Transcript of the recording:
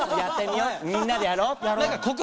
みんなでやろう。